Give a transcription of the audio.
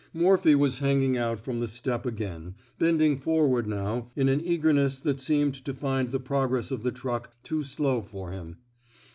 Morphy was hanging out from the step again, bending forward now in an eagerness that seemed to find the progress of the truck too slow for him.